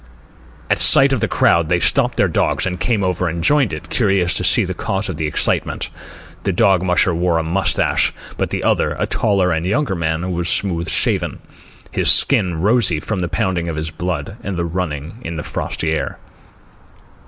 At sight of the crowd they stopped their dogs and came over and joined it, curious to see the cause of the excitement. The dog musher wore a moustache, but the other, a taller and younger man, was smooth shaven, his skin rosy from the pounding of his blood and the running in the frosty air.